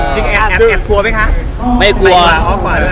จริงแอดกลัวไหมคะไม่กลัวเกาะก่อน